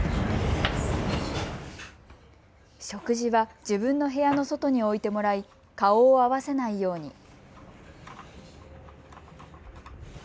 食事は自分の部屋の外に置いてもらい顔を合わせないように。